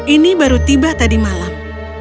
ini baru tiba tadi malam